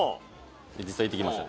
「実際行ってきました」